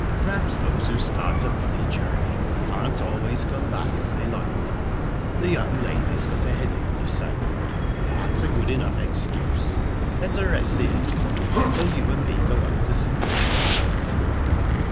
P'raps those who start a funny journey can't always come back when they like...The young lady's got a headache, you say. That's a good enough excuse. Let her rest here, sir, while you and me go up to see what you want to see."